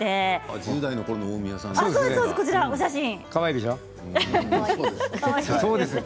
１０代のころの大宮さんですね。